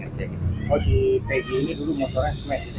oh si peggy ini dulu motornya smash gitu